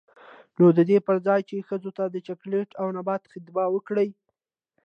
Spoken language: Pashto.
نـو د دې پـر ځـاى چـې ښـځـو تـه د چـاکـليـت او نـبـات خـطاب وکـړي.